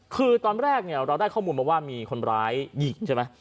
คือตอนแรกเนี่ยเราได้ข้อมูลมาว่ามีคนร้ายยิงใช่ไหม